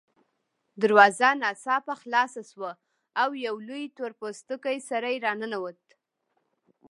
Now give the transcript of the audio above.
دروازه ناڅاپه خلاصه شوه او یو لوی تور پوستکی سړی راننوت